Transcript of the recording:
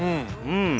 うん。